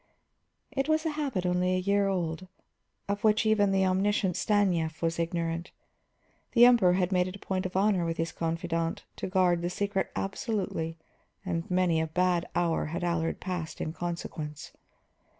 It was a habit only a year old, of which even the omniscient Stanief was ignorant. The Emperor had made it a point of honor with his confidant to guard the secret absolutely; and many a bad hour had Allard passed in consequence.